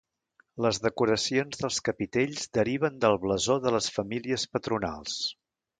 Les decoracions dels capitells deriven del blasó de les famílies patronals.